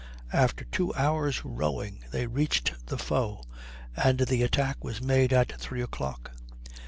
After two hours' rowing they reached the foe, and the attack was made at three o'clock.